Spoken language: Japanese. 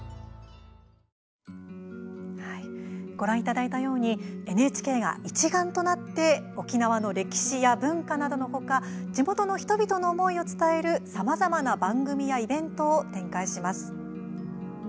ご覧いただいたようにＮＨＫが一丸となって沖縄の歴史や文化などのほか地元の人々の思いを伝えるさまざまな番組やイベントを展開します。